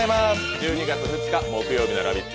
１２月２日木曜日の「ラヴィット！」